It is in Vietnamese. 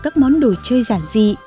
các món đồ chơi giản dị